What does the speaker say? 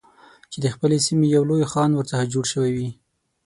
چې د خپلې سیمې یو لوی خان ورڅخه جوړ شوی وي.